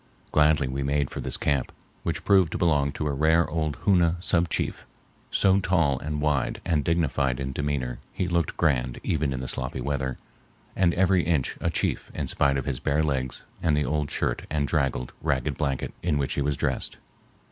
Gladly we made for this camp, which proved to belong to a rare old Hoona sub chief, so tall and wide and dignified in demeanor he looked grand even in the sloppy weather, and every inch a chief in spite of his bare legs and the old shirt and draggled, ragged blanket in which he was dressed.